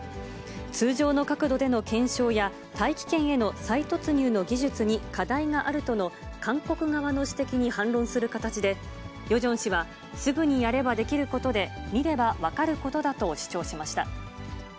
通常の角度での検証や、大気圏への再突入の技術に課題があるとの韓国側の指摘に反論する形で、ヨジョン氏は、すぐにやればできることで、見れば分かることだと主張しました。